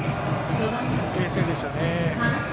冷静でしたね。